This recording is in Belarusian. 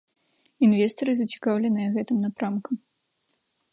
Інвестары зацікаўленыя гэтым напрамкам.